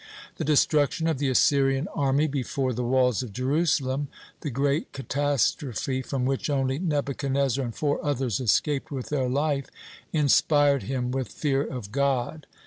The destruction of the Assyrian army before the walls of Jerusalem, the great catastrophe from which only Nebuchadnezzar and four others escaped with their life, inspired him with fear of God.